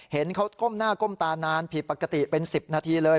เห็นเขาก้มหน้าก้มตานานผิดปกติเป็น๑๐นาทีเลย